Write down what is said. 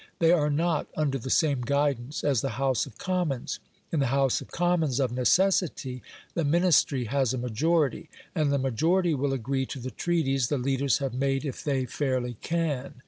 They are not under the same guidance as the House of Commons. In the House of Commons, of necessity, the Ministry has a majority, and the majority will agree to the treaties the leaders have made if they fairly can.